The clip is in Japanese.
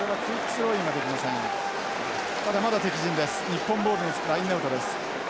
日本ボールのラインアウトです。